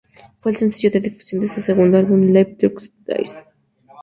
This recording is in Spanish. Fue el sencillo de difusión de su segundo álbum "Live Through This".